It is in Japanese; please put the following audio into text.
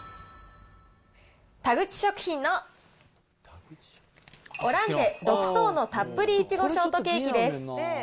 田口食品のオランジェ６層のたっぷり苺ショートケーキです。